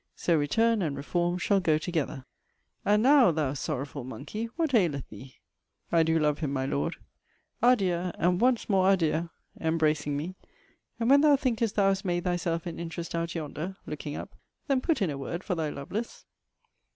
So return and reform shall go together. 'And now, thou sorrowful monkey, what aileth thee?' I do love him, my Lord. 'Adieu! And once more adieu!' embracing me. 'And when thou thinkest thou hast made thyself an interest out yonder (looking up) then put in a word for thy Lovelace.'